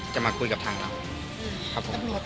จะมาคุยกับทางเรา